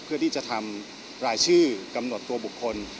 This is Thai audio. เพื่อที่จะทำรายชื่อกำหนดตัวบุคคล